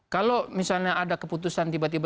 kalau misalnya ada keputusan tiba tiba